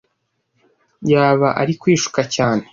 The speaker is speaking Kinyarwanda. yaba ari kwishuka cyane